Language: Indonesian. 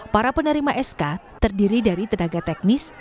para penerima sk terdiri dari tenaga teknis